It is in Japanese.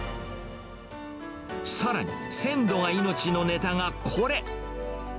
さらに、鮮度が命のネタがこれ。